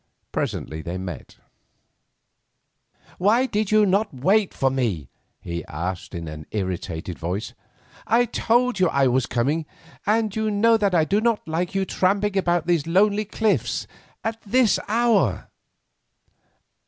Presently they met. "Why did you not wait for me?" he asked in an irritated voice, "I told you I was coming, and you know that I do not like you to be tramping about these lonely cliffs at this hour."